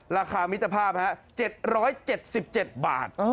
ราคามิจภาพ๗๗๗บาท